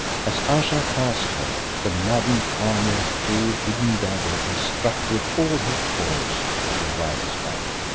As Ayesha passed her, the maddened Khania drew a hidden dagger and struck with all her force at her rival's back.